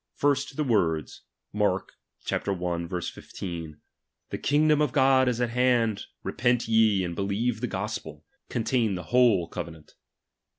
First, the words, {Mark i. 15) ; The kingdom of God is at hand ; Mepent ye and believe the gospel, contain the whole cove nant.